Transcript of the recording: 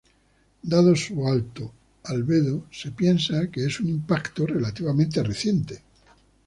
Dado su alto albedo, se piensa que es un impacto relativamente reciente.